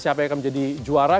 siapa yang akan menjadi juara